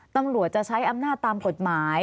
ตำรวจจะใช้อำนาจตามกฎหมาย